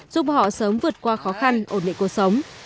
giúp họ sớm vượt qua khó khăn ổn định cuộc sống